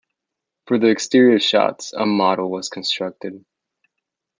For the exterior shots a model was constructed.